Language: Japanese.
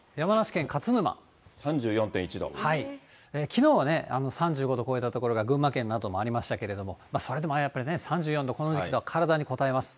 きのうは３５度超えた所が群馬県などもありましたけれども、それでもやっぱりね、３４度、この時期は体にこたえます。